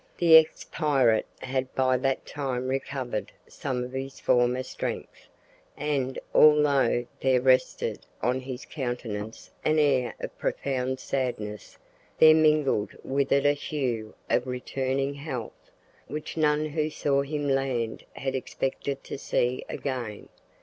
The ex pirate had by that time recovered some of his former strength, and, although there rested on his countenance an air of profound sadness, there mingled with it a hue of returning health, which none who saw him land had expected to see again.